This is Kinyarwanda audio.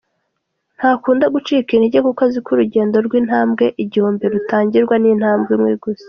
Ntakunda gucika intege kuko aziko urugendo rw’intambwe igihumbi rutangirwa n’intambwe imwe gusa.